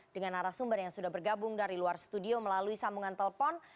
dengan arah sumber yang sudah bergabung dari luar studio melalui sambungan telepon